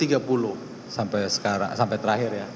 sampai sekarang sampai terakhir ya